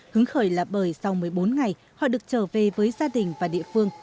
hứng khởi là bởi sau một mươi bốn ngày họ được trở về với gia đình và địa phương